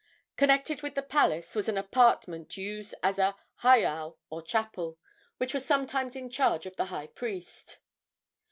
Connected with the palace was an apartment used as a heiau, or chapel, which was sometimes in charge of the high priest.